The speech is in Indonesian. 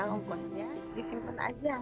komposnya disimpan aja